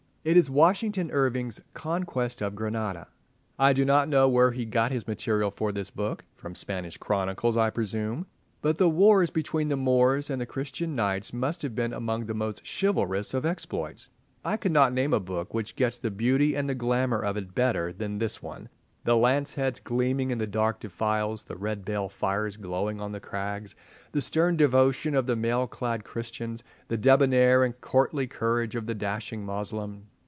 It is Washington Irving's "Conquest of Granada." I do not know where he got his material for this book—from Spanish Chronicles, I presume—but the wars between the Moors and the Christian knights must have been among the most chivalrous of exploits. I could not name a book which gets the beauty and the glamour of it better than this one, the lance heads gleaming in the dark defiles, the red bale fires glowing on the crags, the stern devotion of the mail clad Christians, the debonnaire and courtly courage of the dashing Moslem.